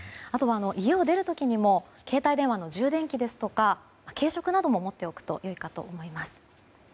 あとは、家を出る時にも携帯電話の充電器や軽食なども持っておくとよいかと思います。